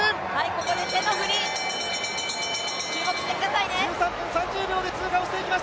ここで手の振り、注目してくださいね。